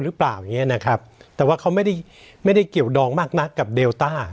หรือเปล่าอย่างเงี้ยนะครับแต่ว่าเขาไม่ได้ไม่ได้เกี่ยวดองมากนักกับเดลต้า